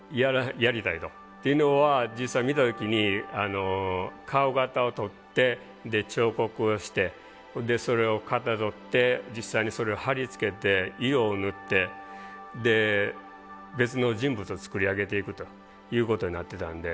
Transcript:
というのは実際見た時に顔型を取って彫刻をしてそれをかたどって実際にそれを貼り付けて色を塗ってで別の人物を作り上げていくということになってたんで。